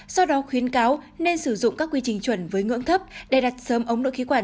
do đó khuyến cáo nên sử dụng các quy trình chuẩn với ngưỡng thấp để đặt sớm ống nội khí quản